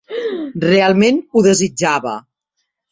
Realment ho desitjava.